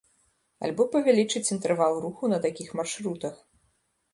Альбо павялічыць інтэрвал руху на такіх маршрутах.